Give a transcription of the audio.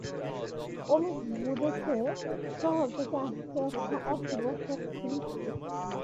অমিত বুঝেছে, শহর থেকে আসছে একটা অশুভ দৃষ্টি।